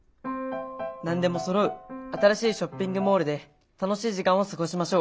何でもそろう新しいショッピングモールで楽しい時間を過ごしましょう。